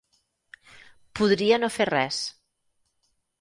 Podria no fer res.